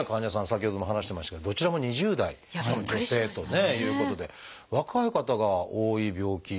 先ほども話してましたけどどちらも２０代しかも女性ということで若い方が多い病気なんでしょうか？